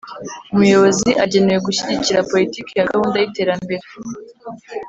Umuyobozi agenewe gushyigikira politiki ya gahunda y’ iterambere